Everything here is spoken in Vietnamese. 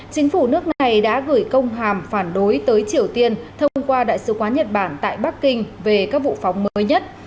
chính phủ nước này đã gửi công hàm phản đối tới triều tiên thông qua đại sứ quán nhật bản tại bắc kinh về các vụ phóng mới nhất